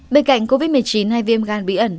bên cạnh covid một mươi chín hay viêm gan bí ẩn